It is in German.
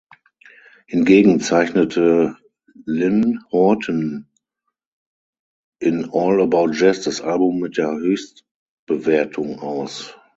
Hingegen zeichnete Lyn Horton in All About Jazz das Album mit der Höchstbewertung aus.